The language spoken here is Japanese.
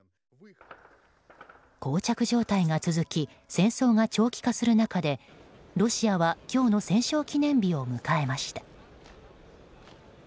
膠着状態が続き戦争が長期化する中でロシアは今日の戦勝記念日を迎えました。